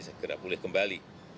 segera pulih kembali